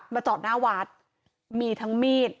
จอดหน้าวัดมีทั้งมีด